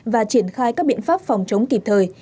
và triển khai các biện pháp phòng chống kịp thời